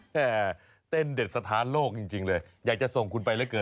แต่เต้นเด็ดสถานโลกจริงจริงเลยอยากจะส่งคุณไปแล้วกัน